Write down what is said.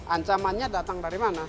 ancamannya datang dari mana